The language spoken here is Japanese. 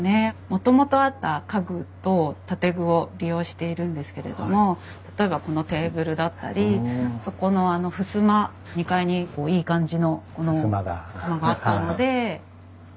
もともとあった家具と建具を利用しているんですけれども例えばこのテーブルだったりそこのふすま２階にいい感じのふすまがあったので使いました。